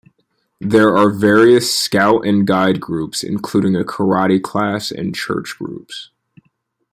There are various Scout and Guide groups including a karate class and church groups.